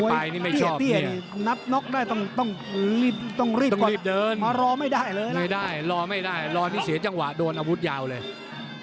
ไปนี่ไม่ชอบเนี่ยต้องรีบเดินรอไม่ได้เลยนะไม่ได้รอไม่ได้รอนี่เสียจังหวะโดนอาวุธยาวเลย